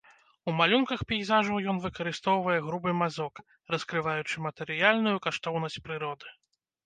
У малюнках пейзажаў ён выкарыстоўвае грубы мазок, раскрываючы матэрыяльную каштоўнасць прыроды.